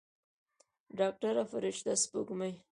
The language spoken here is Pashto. ډاکتره فرشته سپوږمۍ.